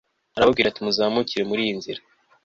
arababwira ati muzamukire muri iyi nzira